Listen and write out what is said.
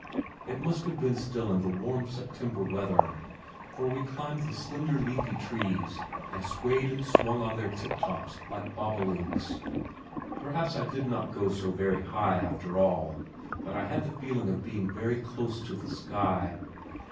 It must have been still in the warm September weather for we climbed the slender leafy trees and swayed and swung on their tip tops like bobolinks. Perhaps I did not go so very high after all but I had the feeling of being very close to the sky.